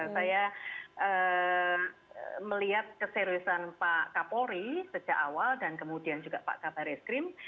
saya melihat keseriusan pak kapolri sejak awal dan kemudian juga pak kabar eskrim